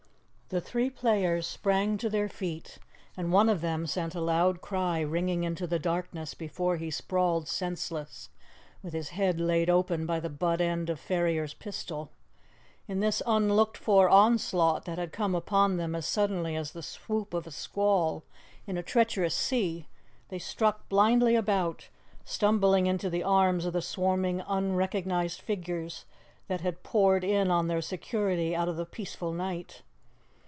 The three players sprang to their feet, and one of them sent a loud cry ringing into the darkness before he sprawled senseless, with his head laid open by the butt end of Ferrier's pistol. In this unlooked for onslaught, that had come upon them as suddenly as the swoop of a squall in a treacherous sea, they struck blindly about, stumbling into the arms of the swarming, unrecognized figures that had poured in on their security out of the peaceful night.